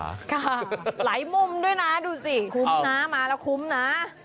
ค่ะหลายมุมด้วยนะดูสิคุ้มนะมาแล้วคุ้มนะ